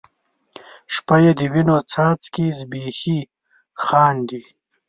شپه یې د وینو څاڅکي زبیښي خاندي